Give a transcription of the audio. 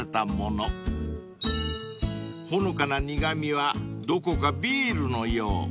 ［ほのかな苦味はどこかビールのよう］